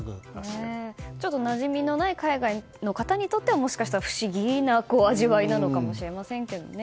ちょっと、なじみのない海外の方にとってはもしかしたら不思議な味わいかもしれませんけどね。